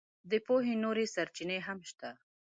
د پوهې نورې سرچینې هم شته.